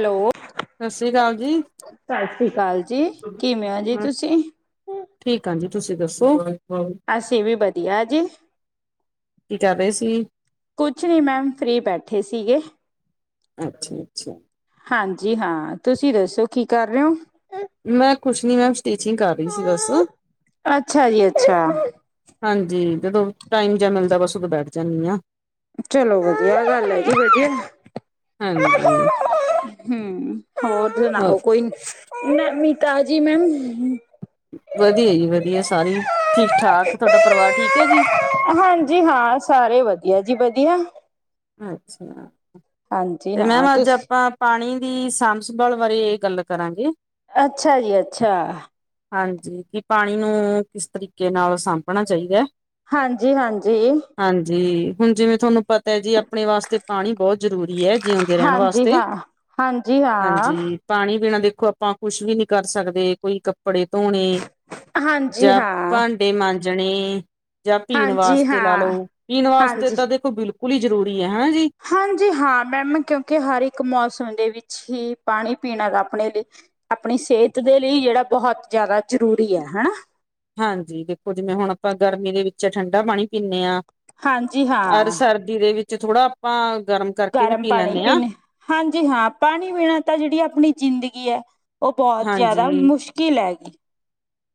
Hello, ਸਤਿ ਸ੍ਰੀ ਅਕਾਲ ਜੀ। ਸਸੀਕਾਲ ਜੀ ਕਿਵੇਂ ਹੋ ਜੀ ਹਾਂ ਤੁਸੀਂ। ਠੀਕ ਆ ਜੀ ਤੁਸੀਂ ਦੱਸੋ। ਅਸੇ ਵੀ ਵਧੀਆ ਏ ਜੀ। ਕਰ ਰਹੇ ਸੀ? ਕੁਛ ਨਹੀਂ ਮੈਮ ਫਰੀ ਬੈਠੇ ਸੀਗੇ। ਅੱਛਾ, ਅੱਛਾ। ਹਾਂਜੀ ਹਾਂ, ਤੁਸੀਂ ਦੱਸੋ ਕੀ ਕਰ ਰਹੇ ਹੋ। ਮੈਂ ਕੁਛ ਨੀ ਮੈਮ ਸਟੀਚਿੰਗ ਕਰ ਰਹੀ ਸੀ ਵਸੇ। ਅੱਛਾ ਜੀ ਅੱਛਾ ਹਾਂਜੀ, ਜਦੋਂ ਟਾਈਮ ਜਾ ਮਿਲਦਾ ਬਸ ਉਦੋਂ ਬੈਠ ਜਾਂਦੀ ਆ। ਚਲੋ ਵਧੀਆ ਗੱਲ ਅ ਜੀ ਵਧੀਆ। ਹਾਂਜੀ ਹਮ ਹੋਰ [unintelligible] ਕੋਈ ਨੀ। ਮੈਂ ਮਿਤਾ ਜੀ ਮੈਮ। ਵਧੀਆ ਜੀ ਵਧੀਆ ਸਾਰੀ ਠੀਕ- ਠਾਕ ਤੁਹਾਡਾ ਪਰਵਾਰ ਠੀਕ ਹੈ ਜੀ। ਹਾਂਜੀ ਹਾਂ ਸਾਰੇ ਵਧੀਆ ਜੀ ਵਧੀਆ। ਅੱਛਾ, ਹਾਂਜੀ ਤੇ ਹਾਂ ਮੈਮ ਅੱਜ ਤੁਸੀਂ ਆਪਾਂ। ਪਾਣੀ ਦੀ ਸਾਂਭ ਸੰਭਾਲ ਬਾਰੇ ਗੱਲ ਕਰਾਂਗੇ। ਅੱਛਾ ਜੀ ਅੱਛਾ। ਹਾਂਜੀ ਕਿ ਪਾਣੀ ਨੂੰ ਕਿਸ ਤਰੀਕੇ ਨਾਲ ਸਾਂਭਣਾ ਚਾਹੀਦਾ। ਹਾਂਜੀ- ਹਾਂਜੀ। ਹਾਂਜੀ ਹੁਣ ਜਿਵੇਂ ਥੁਹਾਨੂੰ ਪਤਾ ਹੈ ਜੀ ਆਪਣੇ ਵਾਸਤੇ ਪਾਣੀ ਬੋਹਤ ਜ਼ਰੂਰੀ ਹੈ! ਜਿਉਂਦੇ ਰਹਿਣ ਹਾਂਜੀ ਵਾਸਤੇ। ਹਾਂ ਹਾਂਜੀ ਹਾਂ ਹਾਂਜੀ। ਪਾਣੀ ਬਿਨਾਂ ਦੇਖੋ ਆਪਾਂ ਕੁਛ ਵੀ ਨੀ ਕਰ ਸਕਦੇ ਕੋਈ। ਕੱਪੜੇ ਧੋਣੇ ਹਾਂਜੀ ਜਾਂ ਹਾਂ, ਭਾਂ। ਡੇ ਮਾਂਜਣੇ ਜਾਂ ਪੀਣ ਹਾਂਜੀ ਵਾਸਤੇ ਲਾ ਹਾਂ, ਲਓ ਪੀਣ ਵਾਸਤੇ ਹਾਂਜੀ। ਤਾਂ ਦੇਖੋ ਬਿਲਕੁਲ ਹੀ ਜ਼ਰੂਰੀ। ਇ ਹਾਂ ਜੀ। ਹਾਂਜੀ ਹਾਂ ਮੈਮ ਕਿਉਂਕਿ ਹਰ ਇੱਕ ਮੌਸਮ ਦੇ ਵਿੱਚ ਹੀ ਪਾਣੀ ਪੀਣਾ ਦਾ ਆਪਣੇ ਲਈ। ਆਪਣੀ ਸੇਹਤ ਦੇ ਲਈ ਜਿਹੜਾ ਬੋਹਤ ਜ਼ਿਆਦਾ ਜ਼ਰੂਰੀ ਹੈ ਹਨਾ। ਹਾਂਜੀ ਦੇਖੋ ਜਿਵੇਂ ਹੁਣ ਆਪਾਂ ਗਰਮੀ ਦੇ ਵਿੱਚ ਠੰਡਾ ਪਾਣੀ ਪੀਂਨੇ ਆ ਹਾਂਜੀ ਅਰ ਹਾਂ ਸਰਦੀ। ਜਿਦੇ ਦੇ ਵਿੱਚ ਥੋੜ੍ਹਾ ਆਪਾਂ ਗਰਮ ਕਰਕੇ ਵੀ ਗਰਮ ਪੀ ਪਾਣੀ ਲੈਂਦੇ ਹਾਂ ਪੀਨੇ, ਹਾਂ ਜੀ ਹਾਂ ਪਾਣੀ ਪੀਣਾ ਤਾਂ ਜਿਹੜੀ ਆਪਣੀ ਜ਼ਿੰਦਗੀ ਐ। ਓ ਬੋਤ ਜਾਦਾ ਹਾਂਜੀ ਮੁਸ਼ਕਿਲ ਹੈਗੀ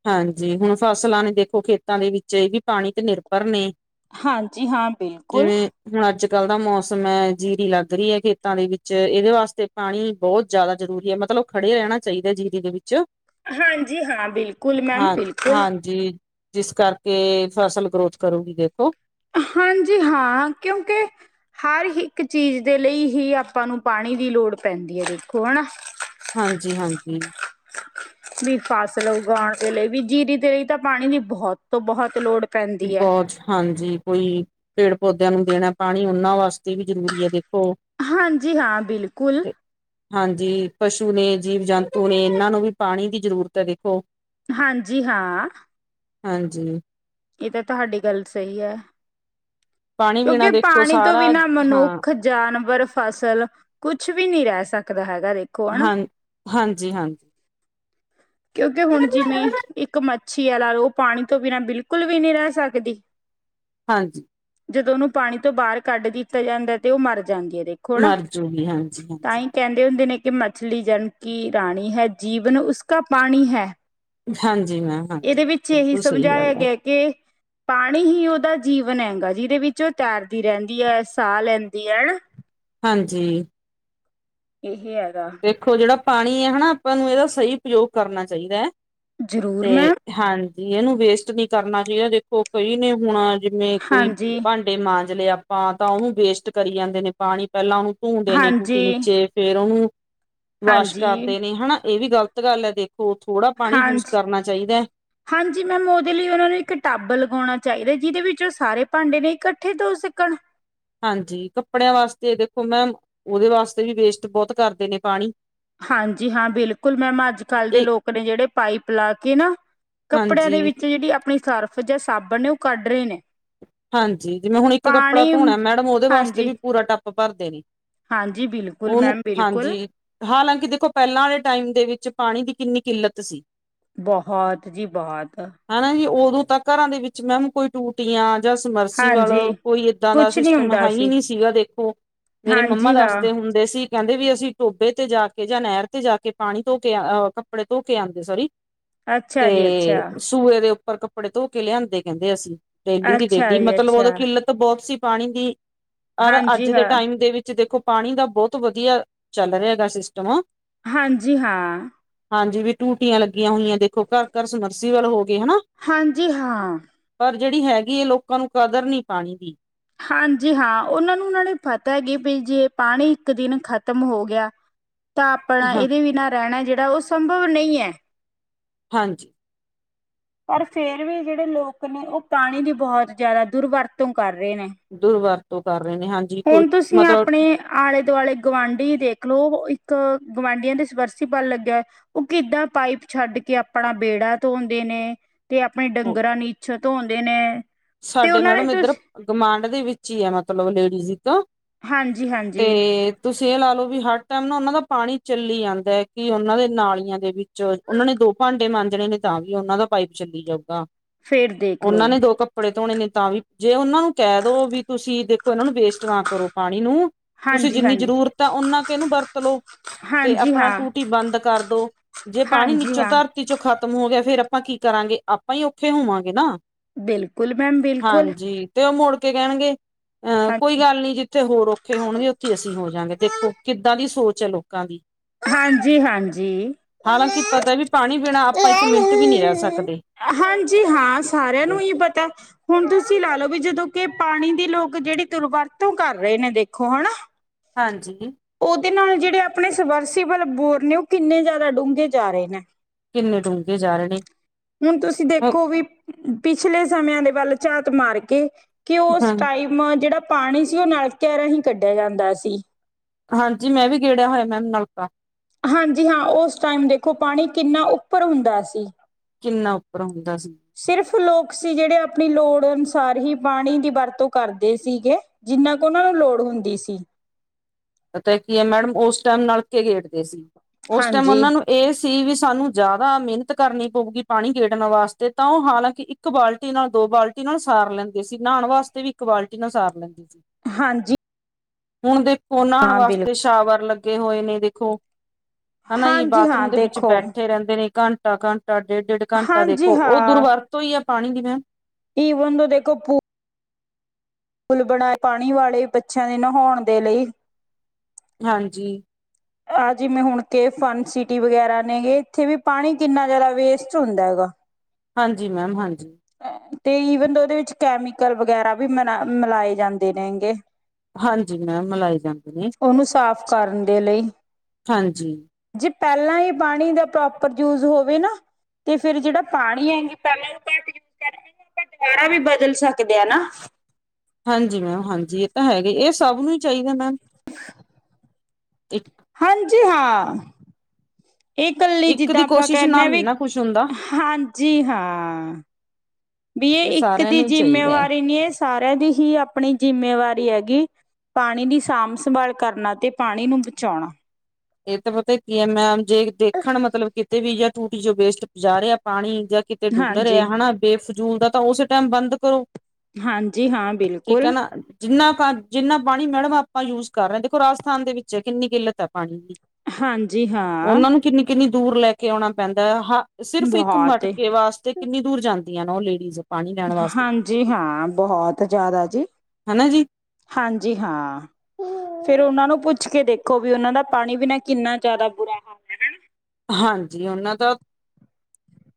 ਹਾਂਜੀ, ਹੁਣ ਫਸਲਾਂ ਨੇ ਦੇਖੋ ਖੇਤਾਂ ਦੇ ਵਿੱਚ ਇਹ ਵੀ ਪਾਣੀ ਤੇ ਨਿਰਪਰ ਨੇ। ਹਾਂਜੀ ਹਾਂ, ਬਿਲਕੁਲ ਜਿਵੇਂ ਹੁਣ ਅੱਜ-ਕੱਲ ਦਾ ਮੌਸਮ ਐ ਜੀਰੀ ਲੱਗ ਰਹੀ ਖੇਤਾਂ ਦੇ ਵਿੱਚ ਇਹਦੇ ਵਾਸਤੇ ਪਾਣੀ ਬੋਹਤ ਜਾਦਾ ਜ਼ਰੂਰੀ ਐ। ਮਤਲਬ ਖੜੇ ਰਹਿਣਾ ਚਾਹੀਦਾ ਜੀਰੀ ਦੇ ਵਿੱਚ ਹਾਂਜੀ ਹਾਂ, ਬਿਲਕੁਲ ਮੈਮ ਬਿਲਕੁਲ ਜੀ ਜਿਸ ਕਰਕੇ ਫਸਲ ਗਰੋਥ ਕਰੂਗੀ ਦੇਖੋ। ਹਾਂਜੀ ਹਾਂ, ਕਿਉਂਕੇ ਹਰ ਇੱਕ ਚੀਜ਼ ਦੇ ਲਈ ਹੀ ਆਪਾਂ ਨੂੰ ਪਾਣੀ ਦੀ ਲੋੜ ਪੈਂਦੀ ਹੈ, ਦੇਖੋ ਹਨਾ। ਹਾਂਜੀ-ਹਾਂਜੀ ਵੀ ਫ਼ਸਲ ਉਗਾਨ ਦੇ ਲਈ ਵੀ, ਜੀਰੀ ਦੇ ਲਈ ਤਾਂ ਪਾਣੀ ਦੀ ਬੋਹਤ ਤੋ ਬੋਹਤ ਲੋੜ ਪੈਂਦੀ ਹੈ ਬੋਹਤ, ਹਾਂਜੀ, ਕੋਈ ਪੇੜ ਪੌਦਿਆਂ ਨੂੰ ਦੇਣਾ ਪਾਨੀ ਓਹਨਾਂ ਵਾਸਤੇ ਵੀ ਜ਼ਰੂਰੀ ਏ ਦੇਖੋ। ਹਾਂਜੀ ਹਾਂ, ਬਿਲਕੁਲ ਤੇ ਹਾਂਜੀ, ਪਸ਼ੂ ਨੇ ਜੀਵ ਜੰਤੂ ਨੇ ਇਹਨਾਂ ਨੂੰ ਵੀ ਪਾਨੀ ਦੀ ਜ਼ਰੂਰਤ ਅ ਦੇਖੋ। ਹਾਂਜੀ, ਹਾਂ ਹਾਂਜੀ ਇਹ ਤਾਂ ਤੁਹਾਡੀ ਗੱਲ ਸਹੀ ਐ, ਪਾਣੀ ਪੀਣਾ ਕਿਉਂਕਿ ਦੇਖੋ ਪਾਣੀ ਤੋਂ ਸਾਰਾ ਬਿਨਾਂ ਹਾਂ ਮਨੁੱਖ ਜਾਨਵਰ ਫ਼ਸਲ, ਕੁਛ ਵੀ ਨਹੀਂ ਰਹਿ ਸਕਦਾ ਹੈਗਾ ਰੇ ਹਨ, ਹਾਂਜੀ ਹਨ। ਕਿਉਂਕਿ ਹੁਣ ਜਿਮੇਂ, ਇੱਕ ਮੱਛੀ ਐ ਲਾ ਲੋ ਉਹ ਪਾਣੀ ਤੋਂ ਬਿਨਾਂ ਬਿਲਕੁਲ ਵੀ ਨੀਂ ਰਹਿ ਸਕਦੀ। ਹਾਂਜੀ। ਜਦੋਂ ਓਨੂੰ ਪਾਨੀ ਤੋਂ ਬਾਰ ਕੱਢ ਦਿੱਤਾ ਜਾਂਦਾਂ ਤੇ ਉਹ ਮਰ ਜਾਂਦੀ ਏ ਦੇ ਥੋੜਾ, ਮਰਜੂਗੀ ਹਾਂਜੀ ਤਾਂ ਹਾਂਜੀ ਈ ਕਹਿੰਦੇ ਹੁੰਦੇ ਨੇ ਕਿ ਮੱਛਲੀ ਜਲ ਕੀ ਰਾਣੀ ਹੈ, ਜੀਵਨ ਉਸ ਕਾ ਪਾਣੀ ਹੈ। ਹਾਂਜੀ ਮੈਮ ਹਾਂਜੀ ਏਦੇ ਵਿੱਚ ਇਹੀ ਬਿਲਕੁਲ ਸਹੀ ਗੱਲ ਸਮਝਾਇਆ ਹੈ ਗਿਆ ਕਿ ਪਾਣੀ ਹੀ ਓਦਾ ਜੀਵਨ ਹੈਗਾਂ ਜਿਹਦੇ ਵਿੱਚ ਓ ਤੈਰਦੀ ਰਹਿੰਦੀ ਐ, ਸਾਹ ਲੈਂਦੀ ਐ ਅਨਾ। ਹਾਂਜੀ। ਏਹ ਹੈਗਾ। ਦੇਖੋ ਜਿਹੜਾ ਪਾਣੀ ਏ ਹਣਾ ਆਪਾਂ ਨੂੰ ਏਦਾ ਸਈ ਉਪਯੋਗ ਕਰਨਾ ਚਾਈਦੈ। ਜ਼ਰੂਰ 'ਤੇ ਮੈਮ ਹਾਂਜੀ ਏਨੂੰ ਵੇਸਟ ਨੀ ਕਰਨਾ ਚਾਈਦਾ ਦੇਖੋ ਕਈ ਨੇ ਹੁਣ ਜਿਵੇਂ ਕੋਈ ਹਾਂਜੀ ਭਾਂਡੇ ਮਾਂਜਲੇ ਆਪਾਂ ਤਾਂ ਉਨੂੰ ਵੇਸਟ ਕਰੀ ਜਾਂਦੇ ਨੇ ਪਾਣੀ ਪਹਿਲਾਂ ਉਨੂੰ ਧੂਦੇ ਨੇ ਟੂਟੀ ਹਾਂਜੀ ਨੀਚੇ ਫੇਰ ਉਨੂੰ ਵਾਸ਼ ਹਾਂਜੀ ਕਰਦੇ ਨੇ ਹੈਨਾ ਏ ਵੀ ਗ਼ਲਤ ਗੱਲ ਐ ਦੇਖੋ ਥੋੜਾ ਪਾਣੀ ਯੂਜ ਹਾਂਜੀ ਕਰਨਾ ਚਾਈਦੈ। ਹਾਂਜੀ ਮੈਮ ਉਦੇ ਲਈ ਉਨਾਂ ਨੂੰ ਇੱਕ ਟੱਬ ਲਗਾਉਣਾ ਚਾਈਦਾ ਜਿਹਦੇ ਵਿੱਚ ਓ ਸਾਰੇ ਭਾਂਡੇ ਨੇ ਇਕੱਠੇ ਧੋ ਸਕਣ। ਹਾਂਜੀ ਕੱਪੜਿਆਂ ਵਾਸਤੇ ਦੇਖੋ ਮੈਂਮ ਉਦੇ ਵਾਸਤੇ ਵੀ ਵੇਸਟ ਬੋਤ ਕਰਦੇ ਨੇ ਪਾਣੀ। ਹਾਂਜੀ ਹਾਂ ਬਿਲਕੁੱਲ ਮੈਮ ਅੱਜ-ਕੱਲ ਦੇ ਇਹ ਲੋਕ ਨੇ ਜਿਹੜੇ ਪਾਈਪ ਲਾ ਕੇ ਨਾ ਕੱਪੜਿਆਂ ਹਾਂਜੀ ਦੇ ਵਿੱਚ ਜਿਹੜੀ ਆਪਣੀ ਸਰਫ਼ ਜਾਂ ਸਾਬਣ ਨੇ ਓ ਕੱਢ ਰੇ ਨੇ। ਹਾਂਜੀ ਜਿਵੇਂ ਹੁਣ ਇੱਕ ਕੱਪੜਾ ਪਾਣੀ ਧੋਣਾ ਮੈਡਮ ਉਦੇ ਵਾਸਤੇ ਹਾਂਜੀ ਵੀ ਪੂਰਾ ਟੱਪ ਭਰਦੇ ਨੇ। ਹਾਂਜੀ ਬਿਲਕੁਲ ਉਨੂੰ, ਮੈਮ ਬਿਲਕੁਲ ਹਾਂਜੀ। ਹਾਲਾਂਕਿ ਦੇਖੋ ਪਹਿਲਾਂ ਆਲੇ ਟਾਈਮ ਦੇ ਵਿੱਚ ਪਾਣੀ ਦੀ ਕਿੰਨੀ ਕਿੱਲਤ ਸੀ। ਬਹੁਤ ਜੀ ਬੋਤ। ਹਨਾ ਜੀ ਉਦੋਂ ਤਾਂ ਘਰਾਂ ਦੇ ਵਿੱਚ ਮੈਮ ਕੋਈ ਟੂਟੀਆਂ ਸਮਰਸੀਵੱਲ ਹਾਂਜੀ ਕੋਈ ਏਦਾਂ ਦਾ ਕੁਛ ਨਹੀਂ ਸਿਸਟਮ ਹੁੰਦਾ ਹੈ ਈ ਸੀ ਨੀ ਸੀਗਾ ਦੇਖੋ, ਮੇਰੇ ਮੰਮਾ ਹਾਂਜੀ ਹਾਂ ਦੱਸਦੇ ਹੁੰ ਦੇ ਸੀ ਕਹਿੰਦੇ ਵੀ ਅਸੀਂ ਟੋਭੇ 'ਤੇ ਜਾ ਕੇ ਜਾਂ ਨਹਿਰ 'ਤੇ ਜਾ ਕੇ ਪਾਣੀ ਧੋ ਕੇ ਅ ਕੱਪੜੇ ਧੋ ਕੇ ਆਂਦੇ ਸੋਰੀ। ਅੱਛਾ ਜੀ 'ਤੇ ਅੱਛਾ ਸੂਏ ਦੇ ਉੱਪਰ ਕੱਪੜੇ ਧੋ ਕੇ ਲਿਆਂਦੇ ਕਹਿੰਦੇ ਅਸੀਂ ਡੇਲੀ ਦੀ ਅੱਛਾ ਡੇਲੀ ਜੀ ਮਤਲਬ ਉਦੋਂ ਅੱਛਾ ਕਿੱਲਤ ਬਹੁਤ ਸੀ ਪਾਣੀ ਦੀ, ਓਰ ਅੱਜ ਹਾਂਜੀ ਦੇ ਹਾਂ ਟਾਈਮ ਦੇ ਵਿੱ ਚ ਦੇਖੋ ਪਾਣੀ ਦਾ ਬੋਤ ਵਧੀਆ ਚੱਲ ਰੇਆ ਗਾ ਸਿਸਟਮ। ਹਾਂਜੀ ਹਾਂ। ਹਾਂਜੀ ਵੀ ਟੂਟੀਆਂ ਲੱਗੀਆਂ ਹੋਈਆਂ ਦੇਖੋ ਘਰ-ਘਰ ਸਮਰਸੀਵਲ ਹੋਗੇ ਹਨਾ। ਹਾਂਜੀ ਹਾਂ। ਪਰ ਜਿਹੜੀ ਹੈਗੀ ਏ ਲੋਕਾਂ ਨੂੰ ਕਦਰ ਨੀ ਪਾਣੀ ਦੀ। ਹਾਂਜੀ ਹਾਂ ਉਨਾਂ ਨੂੰ ਨਾਲੇ ਪਤਾ ਏ ਕਿ ਵੀ ਜੇ ਪਾਣੀ ਇੱਕ ਦਿਨ ਖਤਮ ਹੋ ਗਿਆ ਤਾਂ ਆਪਣਾ ਹਾਂ ਏਦੇ ਬਿਨਾਂ ਰਹਿਣਾ ਜਿਹੜਾ ਓ ਸੰਭਵ ਨਈ ਐ। ਹਾਂਜੀ। ਪਰ ਫੇਰ ਵੀ ਜਿਹੜੇ ਲੋਕ ਨੇ ਓ ਪਾਣੀ ਦੀ ਬਹੁਤ ਜਿਆਦਾ ਦੁਰਵਰਤੋਂ ਕਰ ਰੇ ਨੇ। ਦੁਰਵਰਤੋਂ ਕਰ ਰੇ ਨੇ ਹਾਂ। ਹੁਣ ਤੁਸੀਂ ਆਪਣੇ ਆਲੇ-ਦੁਆਲੇ ਗੁਆਂਢੀ ਦੇਖ ਲੋ ਇੱਕ ਗੁਆਂਢੀਆਂ ਦੇ ਸਪਰਸੀਬਲ ਲੱਗਿਆ ਓ ਕਿੱਦਾਂ ਪਾਈਪ ਛੱਡ ਕੇ ਆਪਣਾ ਬੇੜਾ ਧੋਂਦੇ ਨੇ 'ਤੇ ਆਪਣੇ ਡੰਗਰਾਂ ਨੀਛ ਧੋਂਦੇ ਨੇ। ਤੇ ਸਾਡੇ ਉਹਨਾਂ ਨੇ ਮੈਡਮ ਇੱਧਰ ਤੁਸੀਂ ਗੁਆਂਢ ਦੇ ਵਿੱਚ ਈ ਆ ਮਤਲਬ ਲੇਡੀਜ਼ ਇੱਕ ਹਾਂਜੀ ਹਾਂਜੀ 'ਤੇ ਤੁਸੀਂ ਏ ਲਾ ਲੋੋ ਵੀ ਹਰ ਟਾਈਮ ਨਾ ਉਨਾਂ ਦਾ ਪਾਣੀ ਚੱਲੀ ਜਾਂਦਾ ਐ ਕਿ ਉਨਾਂ ਦੇ ਨਾਲੀਆਂ ਦੇ ਵਿੱ ਚ ਉਨਾਂ ਨੇ ਦੋ ਭਾਂਡੇ ਮਾਂਜਣੇ ਨੇ ਤਾਂ ਵੀ ਉਨਾਂ ਦਾ ਪਾਈਪ ਚੱਲੀ ਜਾਊਗਾ। ਫੇਰ ਦੇਖ ਉਨਾਂ ਲਓ ਨੇ ਦੋ ਕੱ ਪੜੇ ਧੋਣੇ ਨੇ ਤਾਂ ਵੀ ਜੇ ਉਨਾਂ ਨੂੰ ਕੈ ਦੋ ਵੀ ਤੁਸੀਂ ਦੇਖੋ ਏਨਾਂ ਨੂੰ ਵੇਸਟ ਨਾ ਕਰੋ ਪਾਣੀ ਨੂੰ ਤੁਸੀਂ ਹਾਂਜੀ ਜਿੰਨੀ ਹਾਂਜੀ ਜ਼ਰੂਰਤ ਐ ਉਨਾਂ ਕ ਏਨੂੰ ਵਰਤ ਲੋ। ਤੇ ਹਾਂਜੀ ਆਪਨਾ ਹਾਂ ਟੂਟੀ ਬੰਦ ਕਰਦੋ, ਜੇ ਪਾਨੀ ਹਾਂਜੀ ਨੀਚੋਂ ਹਾਂ ਧਰ ਧਰਤੀ ਚੋਂ ਖ਼ਤਮ ਹੋ ਗੇਆ ਫੇਰ ਆਪਾਂ ਕੀ ਕਰਾਂਗੇ, ਆਪਾਂ ਈ ਔਖੇ ਹੋਵਾਂਗੇ ਨਾ। ਬਿਲ ਕੁਲ ਮੈਮ ਵੀ ਹਾਂਜੀ, ਤੇ ਓ ਮੋੜ ਕੇ ਕੈਨਗੇ, ਅਹ ਕੋਈ ਹਾਂਜੀ ਗੱਲ ਨੀ ਜਿੱਥੇ ਹੋਰ ਔ ਔਖੇ ਹੋਨਗੇ ਓਥੇ ਅਸੀਂ ਹੋ ਜਾਂਗੇ ਦੇਖੋ ਕਿੱਦਾਂ ਦੀ ਸੋਚ ਐ ਲੋਕਾਂ ਦੀ। ਹਾਂਜੀ-ਹਾਂਜੀ। ਹਾਲਾਂਕਿ ਪਤਾ ਵੀ ਪਾਣੀ ਬਿਨਾਂ ਆਪਾਂ ਇੱਕ ਮਿੰਟ ਵੀ ਨਹੀਂ ਰਹਿ ਸਕਦੇ ਹਾਂਜੀ ਹਾਂ, ਸਾਰੇਆਂ ਨੂੰ ਈ ਪਤਾ। ਹੁਨ ਤੁਸੀਂ ਲਾ ਲੋ ਵੀ ਜਦੋਂ ਕੇ ਪਾਨੀ ਦੀ ਲੋਕ ਜੇੜੀ ਦੁਰਵਰਤੋਂ ਕਰ ਰਏ ਨੇ ਦੇਖੋ ਹਨਾ ਹਾਂਜੀ। ਓਦੇ ਨਾਲ ਓ ਜੇੜੇ ਆਪਨੇ ਸਬਰਸੀਬਲ ਬੋਰ ਨੇ ਓ ਕਿੰਨੇ ਜਾਦਾ ਡੂੰਘੇ ਜਾ ਰਏ ਨੇ। ਕਿੰਨੇ ਡੂੰਘੇ ਜਾਰੇ ਨੇ। ਹੁਨ ਤੁਸੀਂ ਦੇਖੋ ਵੀ ਪਿਛਲੇ ਸਮਿਆਂ ਦੇ ਵੱਲ ਝਾਤ ਮਾਰ ਕੇ ਕੇ ਓਸ ਹਾਂ ਟਾਈ ਮ ਜੇੜਾ ਪਾਨੀ ਸੀ ਓ ਨਲਕਿਆਂ ਰਾਹੀਂ ਕੱਡੇਆ ਜਾਂਦਾ ਸੀ। ਹਾਂਜੀ ਮੈਂ ਵੀ ਗੇੜੇਆ ਹੋਏਆ ਮੈਮ ਨਲਕਾ। ਹਾਂਜੀ ਹਾਂ, ਓਸ ਟਾਈਮ ਦੇਖੋ ਪਾਨੀ ਕਿੰਨਾ ਉੱਪਰ ਹੁੰਦਾ ਸੀ। ਕਿੰਨਾ ਉੱਪਰ ਹੁੰਦਾ ਸੀ। ਸਿਰਫ਼ ਲੋਕ ਸੀ ਜੇੜੇ ਆਪਨੀ ਲੋੜ ਅਨੁਸਾਰ ਹੀ ਪਾਨੀ ਦੀ ਵਰਤੋਂ ਕਰਦੇ ਸੀਗੇ। ਜਿੰਨਾ ਕ ਓਨਾ ਨੂੰ ਲੋੜ ਹੁੰਦੀ ਸੀ। ਪਤਾ ਕੀ ਐ ਮੈਡਮ ਓਸ ਟੈਮ ਨਲਕੇ ਗੇੜਦੇ ਸੀ, ਓਸ ਟੈਮ ਹਾਂਜੀ ਓਨਾਂ ਨੂੰ ਏ ਸੀ ਵੀ ਸਾਨੂੰ ਜਾਦਾ ਮੇਨਤ ਕਰਨੀ ਪਊਗੀ ਪਾਨੀ ਗੇੜਨ ਵਾਸਤੇ ਤਾਂ ਓ ਹਾਲਾਂ ਕੀ ਇੱਕ ਇੱਕ ਬਾਲਟੀ ਨਾਲ ਦੋ ਬਾਲਟੀ ਨਾਲ ਸਾਰ ਲੈਂਦੇ ਸੀ, ਨਾਨ ਵਾਸਤੇ ਵੀ ਇੱਕ ਬਾਲਟੀ ਨਾਲ ਸਾਰ ਲੈਂਦੇ ਸੀ। ਹਾਂਜੀ। ਹੁਨ ਦੇਖੋ, ਨਾਨ ਹਾਂ ਵਾਸਤੇ ਬਿਲਕੁਲ ਸ਼ਾਵਰ ਲੱਗੇ ਹੋਏ ਨੇ ਦੇਖੋ ਹਨਾ ਜੀ ਹਾਂਜੀ ਹਾਂ ਬਾਥਰੂਮ ਦੇ ਵਿੱਚ ਦੇਖੋ ਬੈਠੇ ਰੈਂਦੇ ਨੇ ਘੰਟਾ ਘੰ ਟਾ ਡੇਡ-ਡੇਡ ਘੰਟਾ ਹਾਂਜੀ ਦੇਖੋ, ਓ ਹਾਂ ਦੁਰਵਰਤੋਂ ਈ ਐ ਪਾਨੀ ਦੀ ਮੈਮ। ਈਵਨ ਨੇ ਦੇਖੋ ਫੂ ਪੁਲ ਬਨਾਏਆ ਪਾਨੀ ਵਾਲੇ ਬੱਚੇਆਂ ਦੇ ਨਹੌਨ ਦੇ ਲਈ। ਹਾਂਜੀ। ਆਹ ਜਿਵੇਂ ਹੁਨ ਕੇ ਫਨਸਿਟੀ ਵਗੈਰਾ ਨੇ ਏਥੇ ਵੀ ਪਾਨੀ ਕਿੰਨਾ ਜਾਦਾ ਵੇਸਟ ਹੁੰਦਾ ਹੈਗਾ। ਹਾਂਜੀ ਮੈਮ ਹਾਂਜੀ। ਤੇ ਈਵਨ ਓਦੇ ਵਿੱਚ ਕੈਮੀਕਲ ਵਗੈਰਾ ਵੀ ਮਲਾ ਮਲਾਏ ਜਾਂਦੇ ਨੇ ਗੇ। ਹਾਂਜੀ ਮੈਮ ਮਲਾਏ ਜਾਂਦੇ ਨੇ, ਉਹਨੂੰ ਸਾਫ਼ ਕਰਨ ਦੇ ਲਈ ਹਾਂਜੀ। ਜੇ ਪੈਲਾਂ ਆਲੇ ਪਾਨੀ ਦਾ ਪ੍ਰੋਪਰ ਯੂਜ ਹੋਵੇ ਨਾ ਤੇ ਫੇਰ ਜੇੜਾ ਪਾਨੀ ਐਂ ਗੀ ਪੈਲੇ ਤੋਂ ਘੱਟ ਕੇ ਕਰਕੇ ਏ ਆਪਾਂ ਦੁਬਾਰਾ ਵੀ ਬਦਲ ਸਕਦੇ ਆਂ ਨਾ। ਹਾਂਜੀ ਮੈਮ ਹਾਂਜੀ ਏ ਤਾਂ ਹੈਗੇ ਏ ਸਬ ਨੂੰ ਈ ਚਾਈਦਾ ਮੈਮ। ਇੱਕ ਹਾਂਜੀ ਹਾਂ ਏ ਕੱਲੀ ਇੱਕ ਜਿੱਦਾਂ ਦੀ ਆਪਾਂ ਕੋਸ਼ਿਸ਼ ਕੈਨੇ ਆਂ ਨਾਲ ਨੀ ਵੀ, ਨਾ ਕੁਛ ਹੁੰਦਾ ਹਾਂਜੀ ਹਾਂ। ਵੀ ਏ ਇਹ ਇੱਕ ਸਾਰਿਆਂ ਦੀ ਨੂੰ ਹੀ ਚਾਹੀਦਾ ਹੈ ਜਿੰਮੇਵਾਰੀ ਨੀ ਐ ਏ ਸਾਰਿਆਂ ਦੀ ਹੀ ਆਪਨੀ ਜਿੰਮੇਵਾਰੀ ਹੈਗੀ। ਪਾਨੀ ਦੀ ਸਾਂਭ ਸੰਭਾਲ ਕਰਨਾ ਤੇ ਪਾਨੀ ਨੂੰ ਬਚੌਨਾ। ਏ ਤਾਂ ਪਤਾ ਕੀ ਐ ਮੈਮ ਜੇ ਦੇਖਨ ਮਤਲਬ ਕਿਤੇ ਵੀ ਜਾਂ ਟੂਟੀ ਚੋਂ ਵੇਸਟ ਜਾ ਰਿਆ ਪਾਨੀ ਜਾਂ ਕਿਤੇ ਡੁੱਲ ਰੇਆ ਹਾਂਜੀ ਹਨਾ ਬੇਫਜ਼ੂਲ ਦਾ ਤਾਂ ਓਸੇ ਟੈਮ ਬੰਦ ਕਰੋ। ਹਾਂਜੀ ਹਾਂ ਬਿਲਕੁਲ ਜਿੰਨਾ-ਜਿੰਨਾ ਪਾਨੀ ਮੈਡਮ ਆਪਾਂ ਯੂਜ ਕਰ ਰਏ ਆਂ ਦੇਖੋ ਰਾਜਸਥਾਨ ਦੇ ਵਿੱਚ ਕਿੰਨੀ ਕਿੱਲਤ ਐ ਪਾਨੀ ਦੀ ਹਾਂਜੀ ਹਾਂ। ਉਹਨਾਂ ਨੂੰ ਕਿੰਨੀ, ਕਿੰਨੀ ਦੂਰ ਲੈ ਕੇ ਆਉਣਾ ਪੈਂਦਾ ਐ ਹਾਂ ਸਿਰਫ ਇੱਕ ਬਹੁਤ ਮਟਕੇ ਵਾਸਤੇ ਕਿੰਨੀ ਦੂਰ ਜਾਂਦੀਆਂ ਨਾ ਓ ਲੇਡੀਜ਼ ਪਾਣੀ ਲੈਣ ਵਾਸਤੇ ਹਾਂਜੀ ਹਾਂ। ਬੋਹਤ ਜ਼ਿਆਦਾ ਜੀ ਹਨਾ ਜੀ ਹਾਂਜੀ ਹਾ। ਫੇਰ ਓਨਾ ਨੂੰ ਪੁੱਛ ਕੇ ਦੇਖੋ ਵੀ ਓਨਾਂ ਦਾ ਪਾਣੀ ਬਿਨਾਂ ਕਿੰਨਾ ਜ਼ਿਆਦਾ ਬੁਰਾ ਹਾਲ ਹੈ ਹਾਂਜੀ ਓਨਾਂ ਦਾ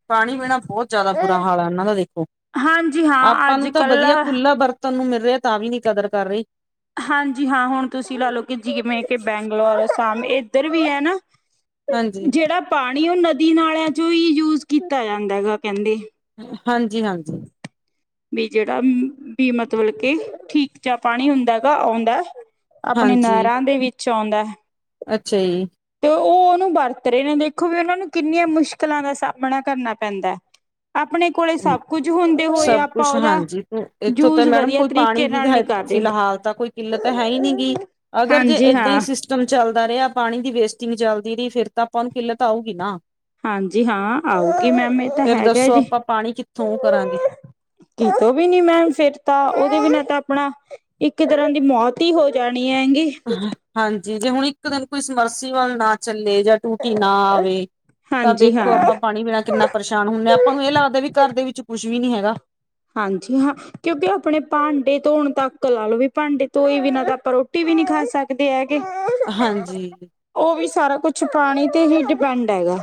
ਪਾਣੀ ਬਿਨਾਂ ਬੋ ਜ਼ਿਆਦਾ ਬੁਰਾ ਹਨਾ ਹਾਲ ਆ ਓਨਾਂ ਦਾ ਦੇਖੋ ਹਾਂਜੀ ਹਾਂ ਆਪਾਂ ਅੱਜ ਨੂੰ ਤਾਂ ਕੱਲ ਵਧੀਆ ਖੁੱਲਾ ਵਰਤ ਤੁਨੂੰ ਮਿਲ ਰਿਆ ਤਾਂ ਵੀ ਨੀ ਕਦਰ ਕਰ ਰਏ ਹਾਂਜੀ ਹਾਂ। ਹੁਣ ਤੁਸੀਂ ਲਾ ਲੋਓ ਕਿ ਜਿਵੇਂ ਕਿ ਬੈਂਗਲੋਰ ਅਸਾਮ ਏਦਰ ਵੀ ਏ ਨਾ। ਹਾਂਜੀ ਜੇੜਾ ਪਾਣੀ ਓ ਨਦੀ ਨਾਲਿਆਂ ਚੋਂ ਈ ਯੂਜ ਕੀਤਾ ਜਾਂਦਾ ਗਾ ਕਹਿੰਦੇ ਹਾਂਜੀ-ਹਾਂਜੀ। ਵੀ ਜਿਹੜਾ ਵੀ ਮਤਲਬ ਕੇ ਠੀਕ ਚ ਪਾਣੀ ਹੁੰਦਾ ਗਾ ਆਉਂਦਾ ਆਪਣੇ ਹਾਂਜੀ ਨੈਰਾਂ ਦੇ ਵਿੱਚ ਆਉਂਦਾ ਹੈ। ਅੱਛਾ ਜੀ। ਤੇ ਓ ਓਨੂੰ ਵਰਤ ਰਹੇ ਨੇ ਦੇਖੋ ਵੀ ਓਨਾਂ ਨੂੰ ਕਿੰਨੀਆਂ ਮੁਸ਼ਕਿਲਾਂ ਦਾ ਸਾਹਮਣਾ ਕਰਨਾ ਪੈਂਦਾ। [inaudible] ਆਪਣੇ ਕੋਲੇ ਸਭ ਕੁੱਝ ਹੁੰਦੇ ਹੋਏ ਸਭ ਆਪਾਂ ਕੁਛ ਉਹਦਾ ਹਾਂਜੀ। ਇੱਥੋਂ ਤਾਂ ਯੂਜ ਮੈਡਮ ਵਧੀਆ ਕੋਈ ਪਾਣੀ ਤਰੀਕੇ ਦੀ ਨਾਲ ਨੀ ਤਾਂ ਕਰ ਰਹੇ। ਫਿਲਹਾਲ ਤਾਂ ਕੋਈ ਕਿੱਲਤ ਹੈ ਈ ਨੀ ਗੀ ਅਗਰ ਜੇ ਹਾਂਜੀ ਇੱਦਾਂ ਈ ਹਾਂ, ਸਿਸਟ ਸਟਮ ਚੱਲਦਾ ਰਿਆ ਪਾਣੀ ਦੀ ਵੇਸਟਿੰਗ ਚੱਲਦੀ ਰਈ ਫੇਰ ਤਾਂ ਆਪਾਂ ਓਨੂੰ ਕਿੱਲਤ ਆਊਗੀ ਨਾ ਹਾਂਜੀ ਹਾਂ। ਆਉਗੀ ਮੈਮ ਏ ਤਾਂ ਹੈਗਾ ਜੀ। ਉਥੋਂ ਓ ਕਰਾਂਗੇ। ਕਿਤੋਂ ਵੀ ਨੀ ਮੈਂ ਫਿਰ ਤਾਂ ਓਦੇ ਬਿਨਾਂ ਤਾਂ ਆਪਣਾ ਇੱਕ ਤਰ੍ਹਾਂ ਦੀ ਮੌਤ ਈ ਹੋ ਜਾਣੀ ਹੈਂਗੀ ਹਾਂਜੀ ਜੇ ਹੁਣ ਇੱਕ ਦਿਨ ਕੋਈ ਸਮਰਸੀ ਵੱਲ ਨਾ ਚੱਲੇ ਜਾਂ ਟੂਟੀ ਨਾ ਆਵੇ ਤਾਂ ਹਾਂਜੀ ਦੇਖੋ ਹਾਂ। ਆਪਾਂ ਪਾਣੀ ਬਿਨਾ ਕਿੰਨਾ ਪਰੇਸ਼ਾਨ ਹੁੰਨੇ ਆ ਆਪਾਂ ਨੂੰ ਐ ਲੱਗਦਾ ਵੀ ਘਰ ਦੇ ਵਿੱਚ ਕੁਛ ਵੀ ਨੀ ਹੈਗਾ। ਹਾਂਜੀ ਹਾਂ। ਕਿਉਂਕਿ ਆਪਣੇ ਭਾਂਡੇ ਧੋਣ ਤੱਕ ਲਾ ਲਓ ਵੀ ਭਾਂਡੇ ਧੋਏ ਬਿਨਾਂ ਤਾਂ ਆਪਾਂ ਰੋਟੀ ਵੀ ਨੀ ਖਾ ਸਕਦੇ ਹੈਗੇ। ਹਾਂਜੀ। ਓ ਵੀ ਸਾਰਾ ਕੁਛ ਪਾਣੀ ਤੇ ਹੀ ਡਿਪੈਂਡ ਹੈਗਾ।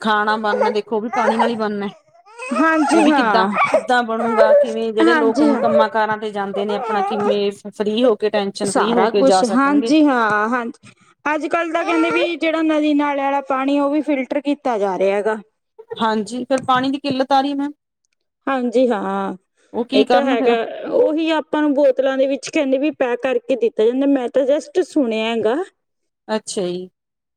ਖਾਣਾ ਬਣਨਾ ਦੇਖੋ ਓ ਵੀ ਪਾਣੀ ਨਾਲ ਹੀ ਬਣਨਾ ਓ ਹਾਂਜੀ ਵੀ ਕਿੱਦਾਂ ਹਾਂ ਕਿੱਦਾਂ ਬਣੂਗਾ ਕਿਵੇਂ ਜਿਹੜੇ ਲੋਕ ਹਾਂਜੀ ਹੁਣ ਹਾਂ ਕੰਮਾਂ ਕਾਰਾਂ ਤੇ ਜਾਂਦੇ ਨੇ ਆਪਣਾ ਕਿਵੇਂ ਫ੍ਰਰੀ ਹੋ ਕੇ ਟੈਨਸ਼ਨ ਫ੍ਰਰੀ ਹੋ ਸਾਰਾ ਕੇ ਜਾ ਕੁਛ ਸਕਣਗੇ ਹਾਂਜੀ ਹਾਂ ਹਾਂਜੀ। ਅੱਜ-ਕੱਲ ਤਾਂ ਕਹਿੰਦੇ ਵੀ ਜਿਹੜਾ ਨਦੀ ਨਾਲੇ ਵਾਲਾ ਪਾਣੀ ਓ ਵੀ ਫਿਲਟਰ ਕੀਤਾ ਜਾ ਰਿਆ ਗਾ। ਹਾਂਜੀ ਫੇਰ ਪਾਣੀ ਦੀ ਕਿੱਲਤ ਆ ਰਈ ਐ ਮੈਮ। ਹਾਂਜੀ ਹਾਂ ਉਹ ਏ ਕੀ ਤਾਂ ਕਰਨ ਫਿਰ ਹੈਗਾ। ਉਹੀ ਆਪਾਂ ਨੂੰ ਬੋਤਲਾਂ ਦੇ ਵਿੱਚ ਕਹਿੰਦੇ ਵੀ ਪੈਕ ਕਰਕੇ ਦਿੱਤਾ ਜਾਂਦਾ ਮੈਂ ਤਾਂ ਜਸਟ ਸੁਣਿਆ ਗਾ। ਅੱਛਾ ਜੀ।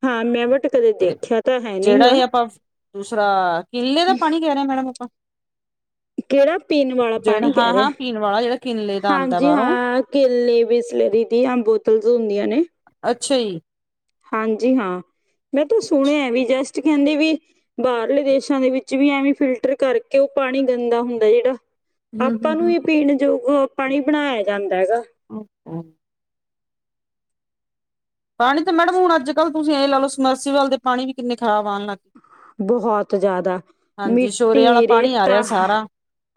ਹਾਂ ਮੈਂ ਬਟ ਕਦੇ ਤੇ ਦੇਖਿਆ ਤਾਂ ਹੈ ਜਿਹੜਾ ਨਹੀਂਗਾ ਏ ਆਪਾਂ ਦੂਸਰਾ ਕਿੱਲੇ ਦਾ ਪਾਣੀ ਕਹਿ ਰਹੇ ਮੈਡਮ ਆਪਾਂ? ਕੇੜਾ ਪੀਣ ਵਾਲਾ ਪਾਣੀ ਕਹਿ ਰਿਆ। ਕਿਲੇ ਹਾਂਜੀ ਹਾਂ ਕੇਲੇ ਬਿਸਲੇਰੀ ਦੀਆਂ ਬੋਤਲਸ ਹੁੰਦੀਆਂ ਨੇ। ਅੱਛਾ ਜੀ ਹਾਂਜੀ ਹਾਂ ਮੈਂ ਤਾਂ ਸੁਣਿਆ ਵੀ ਜਸਟ ਕਹਿੰਦੇ ਵੀ ਬਾਹਰਲੇ ਦੇਸਾਂ ਦੇ ਵਿੱਚ ਵੀ ਐਵੇਂ ਫਿਲਟਰ ਕਰਕੇ ਓ ਪਾਣੀ ਗੰਦਾ ਹੁੰਦਾ ਜੇੜਾ ਹਮ ਆਪਾਂ ਨੂੰ ਹਮ ਈ ਪੀਣ ਜੋਗ ਪਾਣੀ ਬਣਾਇਆ ਜਾਂਦਾ ਗਾ। [inaudible] ਪਾਣੀ ਤਾਂ ਮੈਡਮ ਹੁਣ ਅੱਜ-ਕੱਲ ਤੁਸੀਂ ਏ ਦਾ ਲੋ ਸਮਰਸੀਵਾਲ ਦੇ ਪਾਣੀ ਵੀ ਕਿੰਨੇ ਖ਼ਰਾਬ ਆਣ ਲੱਗ ਬਹੁਤ ਜਾਦਾ ਹਾਂਜੀ ਸ਼ੋਰੇ ਵਾਲਾ ਮਿੱਟੀ, ਪਾਣੀ ਆ ਰਿਹਾ ਰੇਤਾ। ਸਾਰਾ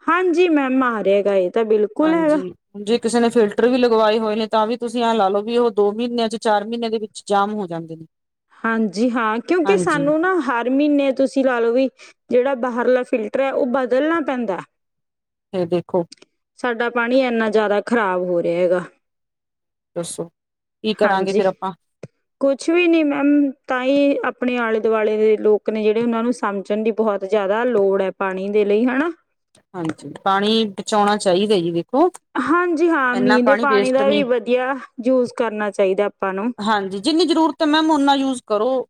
ਹਾਂਜੀ ਮੈਮ ਆ ਰਿਆ ਹੈਗਾ ਏਹ ਤਾਂ ਬਿਲਕੁਲ ਹੈਗਾ। ਹਾਂਜੀ। ਜੇ ਕਿਸੇ ਨੇ ਫਿਲਟਰ ਵੀ ਲਗਵਾਏ ਹੋਏ ਨੇ ਤਾਂ ਵੀ ਤੁਸੀ ਐ ਲਾ ਲੋ ਵੀ ਓ ਦੋ ਮਹੀਨਿਆਂ ਚ ਚਾਰ ਮਹੀਨਿਆਂ ਦੇ ਵਿੱਚ ਜਾਮ ਹੋ ਜਾਂਦੇ ਨੇ। ਹਾਂਜੀ ਹਾਂ ਕਿਉਕਿ ਹਾਂਜੀ ਸਾਨੂੰ ਨਾ ਹਰ ਹਰ ਮਹੀਨੇ ਤੁਸੀਂ ਲਾ ਲੋ ਵੀ ਜੇੜਾ ਬਾਹਰਲਾ ਫਿਲਟਰ ਐ ਓ ਬਦਲਣਾ ਪੈਂਦਾ। ਏਹ ਦੇਖੋ ਸਾਡਾ ਪਾਣੀ ਐਨਾ ਜਾਦਾ ਖ਼ਰਾਬ ਹੋ ਰਿਹਾ ਗਾ। ਦੱਸੋ ਕੀ ਕਰਾਂਗੇ ਹਾਂਜੀ ਫੇਰ ਆਪਾਂ। ਕੁਛ ਵੀ ਨੀ ਮੈ ਮ ਤਾਂ ਈ ਆਪਣੇ ਆਲੇ-ਦੁਆਲੇ ਦੇ ਲੋਕ ਨੇ ਜੇੜੇ ਓਹਨਾਂ ਨੂੰ ਸਮਝਣ ਦੀ ਬਹੁਤ ਜਾਦਾ ਲੋੜ ਆ ਪਾਣੀ ਦੇ ਲਈ ਹਨਾ। ਹਾਂਜੀ, ਪਾਣੀ ਬਚਾਉਣਾ ਚਾਹੀਦਾ ਐ ਜੀ ਦੇਖੋ। ਹਾਂਜੀ ਹਾਂ, ਇੰਨਾ ਮੀਂਹ ਦੇ ਪਾਣੀ ਵੇਸਟ ਦਾ ਵੀ ਨਹੀਂ ਵਧੀਆ ਯੂਜ ਕਰਨਾ ਚਾਈਦਾ ਆਪਾਂ ਨੂੰ। ਹਾਂਜੀ ਜਿੰਨੀ ਜ਼ਰੂਰਤ ਐ ਮੈਮ ਓਨਾ ਯੂਜ ਕਰੋ।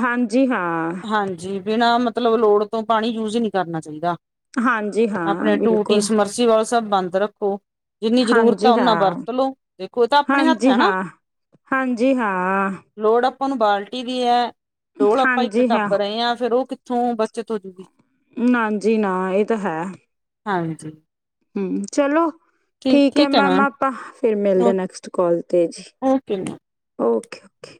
ਹਾਂਜੀ ਹਾਂ। ਹਾਂਜੀ ਬਿਨਾਂ ਮਤਲਬ ਲੋੜ ਤੋਂ ਪਾਣੀ ਯੂਜ ਈ ਨੀ ਕਰਨਾ ਚਾਹੀਦਾ। ਹਾਂਜੀ ਹਾਂ ਬਿਲਕੁਲ। [unintelligible] ਜੀ ਓ ਸਬ ਬੰਦ ਰੱਖੋ। ਜਿੰਨੀ ਜ਼ਰੂਰਤ ਓ ਹਾਂਜੀ ਓਨਾ ਹਾਂ ਵਰਤ ਲੋ, ਦੇਖੋ ਏਹ ਤਾਂ ਆਪਣੇ ਹੱਥ ਹਾਂਜੀ ਐ ਨਾ। ਹਾਂ ਹਾਂਜੀ ਹਾਂ। ਲੋੜ ਆਪਾਂ ਨੂੰ ਬਾਲਟੀ ਦੀ ਐ, ਡੋਲ ਆਪਾਂ ਇੱਕ ਹਾਂਜੀ ਹਾਂ, ਟੱਬ ਰਹੇ ਆ ਫੇਰ ਓ ਕ ਕਿਥੋਂ ਬੱਚਤ ਹੋਜੂਗੀ। ਨਾਜੀ ਨਾ ਏਹ ਤਾਂ ਹੈ। ਹਾਂਜੀ। ਹੂੰ ਚਲੋ ਠੀਕ ਐ ਮੈਮ ਆਪਾਂ ਫੇਰ ਮਿਲਦੇ ਆ ਓ ਨੈਕਸਟ ਕਾਲ ਤੇ ਜੀ। Okay okay okay.